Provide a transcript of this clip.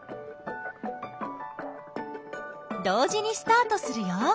同時にスタートするよ。